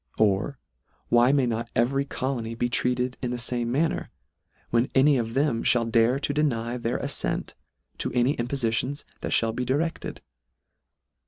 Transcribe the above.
Or why may not every colony be treated in the fame manner, when any of them (hall dare to deny their afTent to any impofitions that fhall be di recled